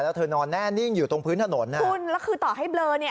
แล้วเธอนอนแน่นิ่งอยู่ตรงพื้นถนนอ่ะคุณแล้วคือต่อให้เบลอเนี่ย